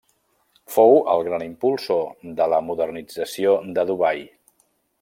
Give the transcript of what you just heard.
Fou el gran impulsor de la modernització de Dubai.